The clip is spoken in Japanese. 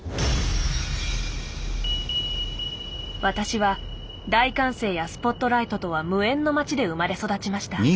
私は大歓声やスポットライトとは無縁の町で生まれ育ちました。